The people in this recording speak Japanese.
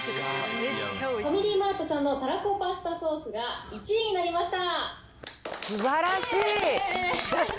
ファミリーマートさんのたらこパスタソースが１位になりました！